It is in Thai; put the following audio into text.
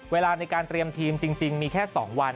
เวลาในการเตรียมทีมจริงมีแค่๒วัน